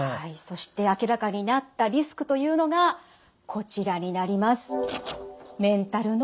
そして明らかになったリスクというのがこちらになります。